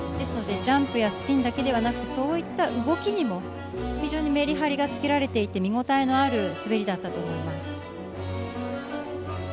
ジャンプやスピンだけではなく、そういった動きにもメリハリが付けられていて、見応えのある滑りだったと思います。